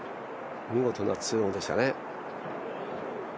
見事な２オンでしたね。